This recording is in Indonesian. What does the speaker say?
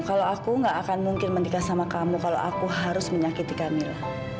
kalau aku gak akan mungkin menikah sama kamu kalau aku harus menyakiti kami lah